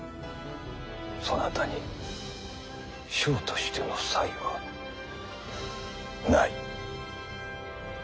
そなたに将としての才はない。